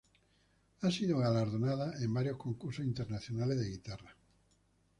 Ha sido galardonado en varios concursos Internacionales de Guitarra.